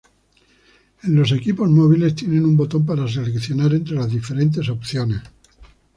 En los equipos móviles tienen un botón para seleccionar entre las diferentes opciones.